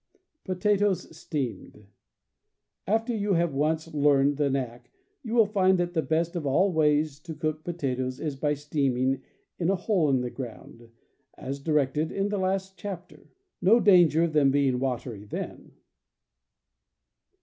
Potatoes, Steamed. — After you have once learned the knack, you will find that the best of all ways to cook potatoes is by steaming in a hole in the ground, as directed in the last chapter. No danger of them being watery then.